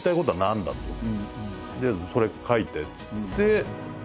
取りあえずそれ書いてっつって。